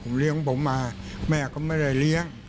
เลี้ยงผมมาแม่ก็ไม่ได้เลี้ยง